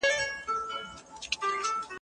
افغان کارګران بهر ته د سفر ازادي نه لري.